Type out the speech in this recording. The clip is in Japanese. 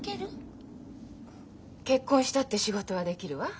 結婚したって仕事はできるわ。